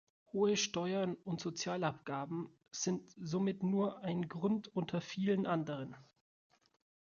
Hohe Steuern und Sozialabgaben sind somit nur ein Grund unter vielen anderen.